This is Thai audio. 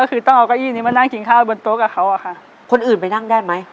ก็คือต้องเอาเก้าอี้นี้มานั่งกินข้าวบนโต๊ะกับเขาอะค่ะคนอื่นไปนั่งได้ไหม